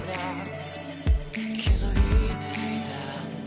「気づいていたんだ